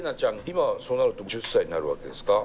今はそうなると１０歳になるわけですか？